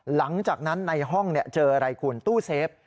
หลังจากนั้นในห้องเจออะไรคุณตู้เซฟ